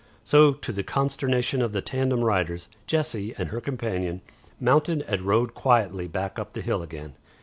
So to the consternation of the tandem riders, Jessie and her companion mounted and rode quietly back up the hill again.